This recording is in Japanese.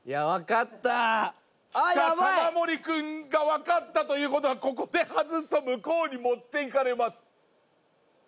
玉森君がわかったという事はここで外すと向こうに持っていかれます。